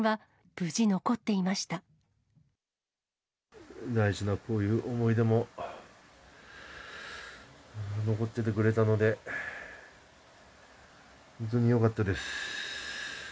大事なこういう思い出も残っててくれたので、本当によかったです。